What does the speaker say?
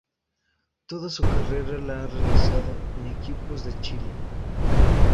Toda su carrera la ha realizado en equipos de Chile.